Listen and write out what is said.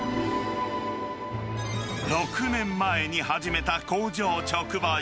６年前に始めた工場直売。